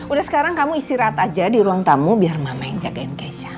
udah sekarang kamu istirahat aja di ruang tamu biar mama yang jagain kesha